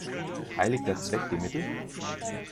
Heiligt der Zweck die Mittel?